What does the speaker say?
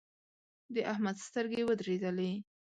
د احمد سترګې ودرېدلې.